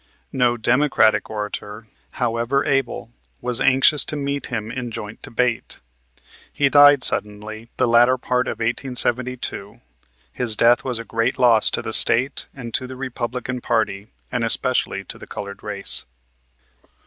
No Democratic orator, however able, was anxious to meet him in joint debate. He died suddenly the latter part of 1872. His death was a great loss to the State and to the Republican party and especially to the colored race.